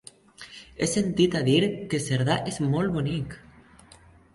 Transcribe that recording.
He sentit a dir que Cerdà és molt bonic.